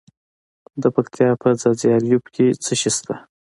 د پکتیا په ځاځي اریوب کې څه شی شته؟